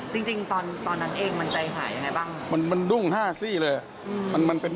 จริงตอนนั้นเองมันใจหายอย่างไรบ้าง